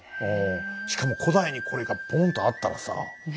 しかも古代にこれがボーンとあったらさ。